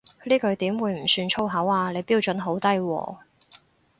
呢句點會唔算粗口啊，你標準好低喎